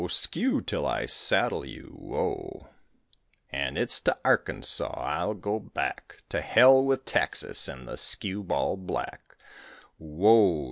skew, till I saddle you, whoa! And it's to Arkansaw I'll go back, To hell with Texas and the skew ball black, Whoa!